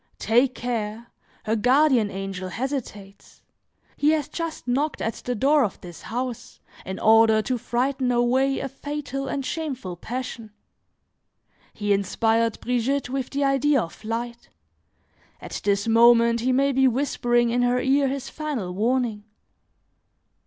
Take care! her guardian angel hesitates; he has just knocked at the door of this house, in order to frighten away a fatal and shameful passion! He inspired Brigitte with the idea of flight; at this moment he may be whispering in her ear his final warning.